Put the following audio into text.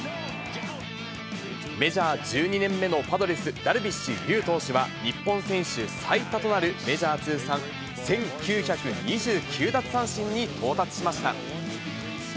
メジャー１２年目のパドレス、ダルビッシュ有投手は、日本選手最多となるメジャー通算１９２９奪三振に到達しました。